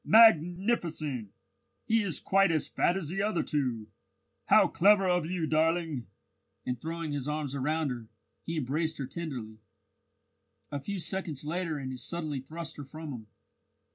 "Magnificent! He is quite as fat as the other two. How clever of you, darling!" and throwing his arms round her, he embraced her tenderly. A few seconds later and he suddenly thrust her from him.